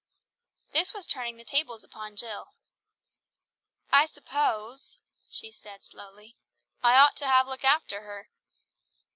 This was turning the tables upon Jill. "I suppose," she said slowly, "I ought to have looked after her."